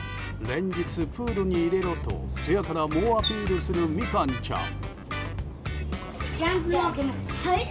連日、プールに入れろと部屋から猛アピールをするみかんちゃん。